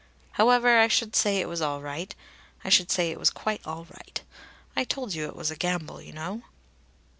However, I should say it was all right I should say it was quite all right. I told you it was a gamble, you know."